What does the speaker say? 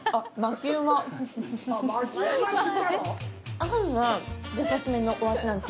あんが、優しめのお味なんです。